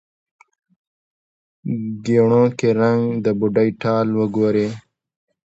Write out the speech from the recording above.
ګېڼو کې رنګ، د بوډۍ ټال وګورې